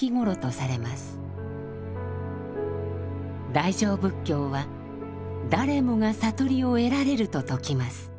大乗仏教は「誰もが悟りを得られる」と説きます。